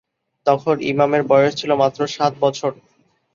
তখন ইমামের বয়স ছিল মাত্র সাত বছর।